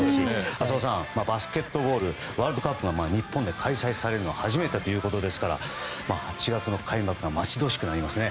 浅尾さん、バスケットボールワールドカップが日本で開催されるのは初めてということですから８月の開幕が待ち遠しくなりますね。